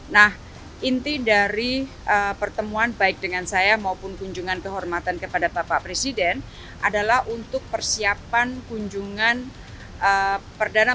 nah inti dari pertemuan baik dengan saya maupun kunjungan kehormatan kepada bapak presiden adalah untuk persiapan kunjungan perdana menteri